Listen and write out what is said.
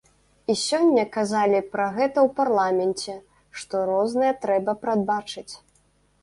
І сёння казалі пра гэта ў парламенце, што рознае трэба прадбачыць.